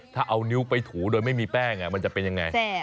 ถ้าเอานิ้วไปถูโดยไม่มีแป้งมันจะเป็นยังไง